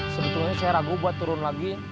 sebetulnya saya ragu buat turun lagi